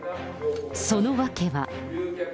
その訳は。